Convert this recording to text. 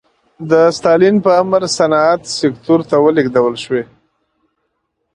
د ستالین په امر صنعت سکتور ته ولېږدول شوې.